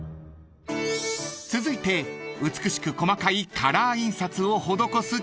［続いて美しく細かいカラー印刷を施す工程］